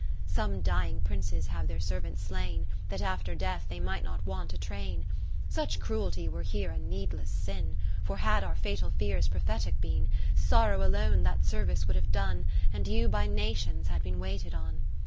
Some dying Princes have their ser vants slain, That after death they might not want a train. lo Such cruelty were here a needless sin ; For had our fatal fears prophetic been \ Sorrow alone that service would have done, And you by Nations had been waited on.